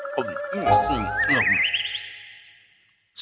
kerajaan tempat orang menumbuhkan permen